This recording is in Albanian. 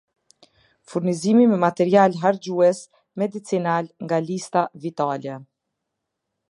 Furnizim me material harxhues medicinal nga lista vitale